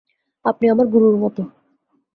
আপনি আমার গুরুর মতো।